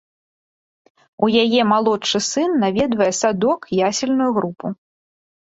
У яе малодшы сын наведвае садок ясельную групу.